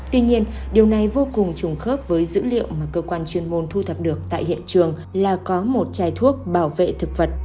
tuy nhiên điều này vô cùng trùng khớp với dữ liệu mà cơ quan chuyên môn thu thập được tại hiện trường là có một chai thuốc bảo vệ thực vật